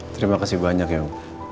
terima kasih banyak ya om